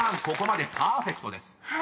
ここまでパーフェクトです］